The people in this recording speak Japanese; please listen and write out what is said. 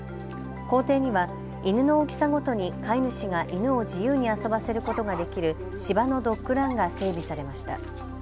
校庭には犬の大きさごとに飼い主が犬を自由に遊ばせることができる芝のドッグランが整備されました。